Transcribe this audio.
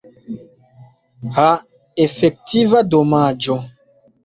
Ha, efektiva domaĝo!